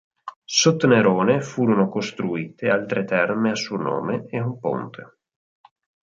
Sotto Nerone furono costruite altre terme a suo nome e un ponte.